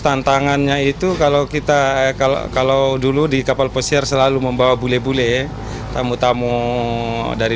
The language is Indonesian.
tantangannya itu kalau kita kalau dulu di kapal pesiar selalu membawa bule bule tamu tamu dari